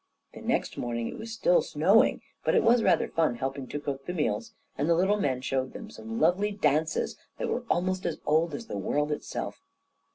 The next morning it was still snowing, but it was rather fun helping to cook the meals, and the little men showed them some lovely dances that were almost as old as the world itself.